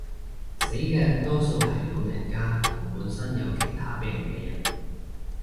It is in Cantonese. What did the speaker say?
死嘅多數係老人家同本身有其他病嘅人